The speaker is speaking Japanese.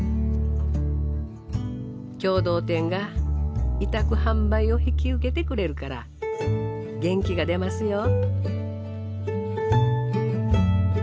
共同店が委託販売を引き受けてくれるから元気が出ますよ。